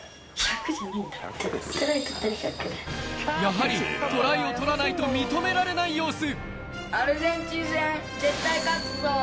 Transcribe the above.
やはりトライを取らないと認められない様子。